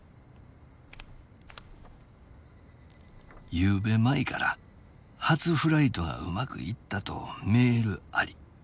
「昨夜舞から初フライトがうまくいったとメールあり。